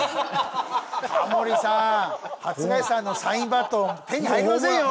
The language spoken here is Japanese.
タモリさん初谷さんのサインバット手に入りませんよ！